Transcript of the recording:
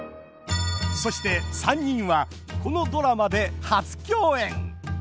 そして３人はこのドラマで初共演！